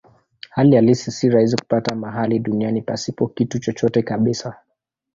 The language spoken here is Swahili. Hali halisi si rahisi kupata mahali duniani pasipo kitu chochote kabisa.